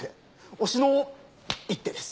押しの一手です。